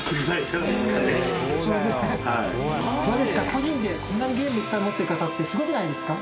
個人でこんなにゲームいっぱい持ってる方ってすごくないですか？